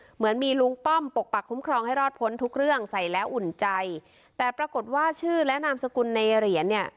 เหมือนมีลุงป้อมปกปักคุ้มครองให้รอดพ้นทุกเรื่องใส่แล้วอุ่นใจแต่ปรากฏว่าชื่อและนามสกุลในเหรียญเนี่ย